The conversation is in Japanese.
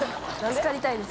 漬かりたいです。